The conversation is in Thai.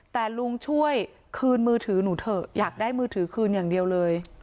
แต่ลุงช่วยคืนมือถือหนูเถอะอยากได้มือถือคืนอย่างเดียวเลย